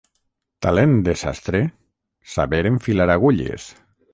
Talent de sastre, saber enfilar agulles.